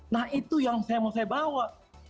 nah itu yang mau saya bawa